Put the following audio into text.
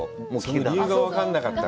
理由が分からなかった？